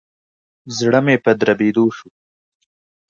زړه مي په دربېدو شو.